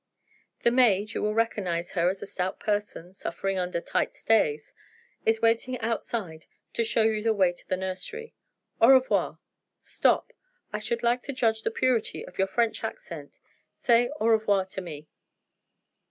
The maid (you will recognize her as a stout person suffering under tight stays) is waiting outside to show you the way to the nursery. Au revoir. Stop! I should like to judge the purity of your French accent. Say 'au revoir' to me.